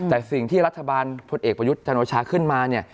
แต่สิ่งที่รัฐบาลพลเอกประยุทธ์จันโอชาขึ้นมาเนี่ย